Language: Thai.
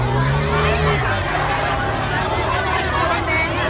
ก็ไม่มีเวลาให้กลับมาเท่าไหร่